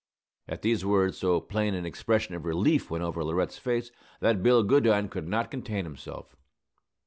At these words so plain an expression of relief went over Laurette's face that Bill Goodine could not contain himself.